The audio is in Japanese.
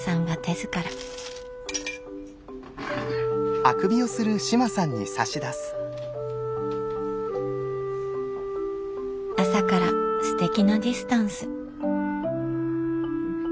朝からすてきなディスタンス。